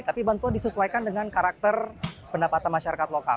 tapi bantuan disesuaikan dengan karakter pendapatan masyarakat lokal